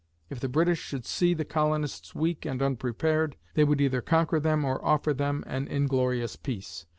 If the British should see the colonists weak and unprepared, they would either conquer them or offer them an inglorious peace.